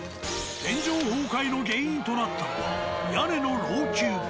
天井崩壊の原因となったのは屋根の老朽化。